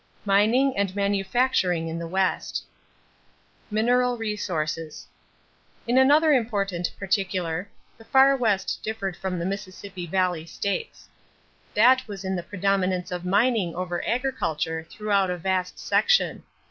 MINING AND MANUFACTURING IN THE WEST =Mineral Resources.= In another important particular the Far West differed from the Mississippi Valley states. That was in the predominance of mining over agriculture throughout a vast section.